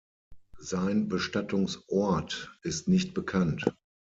Sein Bestattungsort ist nicht bekannt.